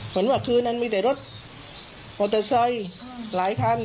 เหมือนว่าคืนนั้นมีแต่รถมอเตอร์ไซค์หลายคัน